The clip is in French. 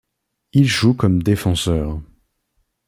Il joue comme défenseur.